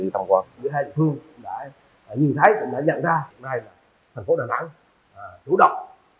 những hai địa phương đã nhìn thấy đã nhận ra hiện nay thành phố đà nẵng đủ độc